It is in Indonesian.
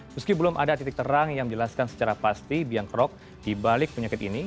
meski belum ada titik terang yang menjelaskan secara pasti biang kerok dibalik penyakit ini